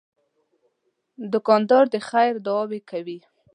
دوکاندار د خیر دعاوې کوي.